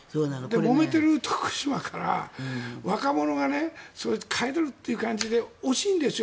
もめている徳島から若者がほかへ出るという感じで惜しいんですよ